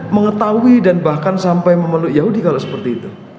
mengetahui dan bahkan sampai memeluk yahudi kalau seperti itu